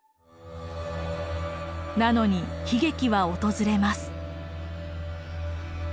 なのに悲劇は訪れます。